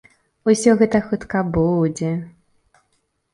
Усё гэта хутка будзе!